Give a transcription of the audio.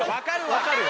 分かるよ。